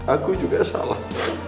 aku juga salah